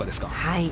はい。